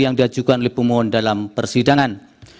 yang diajukan oleh pemohon dalam persidangan